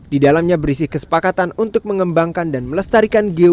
di dalamnya berisi kesepakatan untuk mengembangkan dan mengembangkan geopark nasional